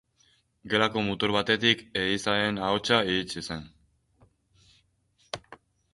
Gelako mutur batetik erizainaren ahotsa iritsi zen.